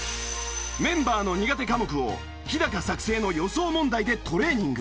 メンバーの苦手科目を日作成の予想問題でトレーニング。